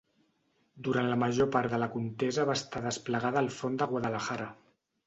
Durant la major part de la contesa va estar desplegada al front de Guadalajara.